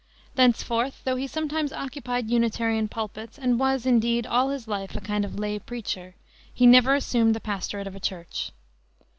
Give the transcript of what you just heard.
Thenceforth, though he sometimes occupied Unitarian pulpits, and was, indeed, all his life a kind of "lay preacher," he never assumed the pastorate of a church.